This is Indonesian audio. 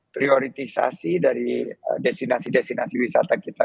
prioritisasi dari destinasi destinasi wisata kita